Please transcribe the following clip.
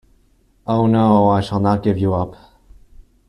Oh no, I shall not give you up.